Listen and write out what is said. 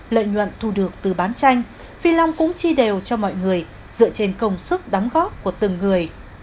lợi nhuận thu được từ bán tranh phi long cũng chi đều cho mọi người dựa trên công sức đóng góp của từng người